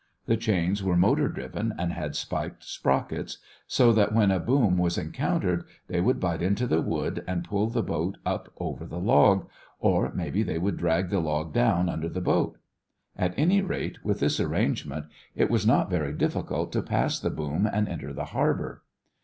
The chains were motor driven and had spiked sprockets, so that when a boom was encountered they would bite into the wood and pull the boat up over the log, or maybe they would drag the log down under the boat. At any rate, with this arrangement it was not very difficult to pass the boom and enter the harbor.